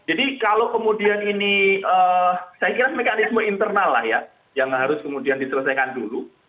jadi saya kira mekanisme internal lah ya yang harus kemudian diselesaikan dulu